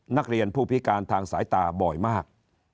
นักเรียนผู้พิการทางสายตาบ่อยมาก